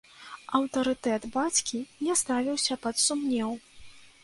Аўтарытэт бацькі не ставіўся пад сумнеў.